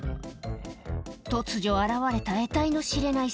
突如現れた得体のしれない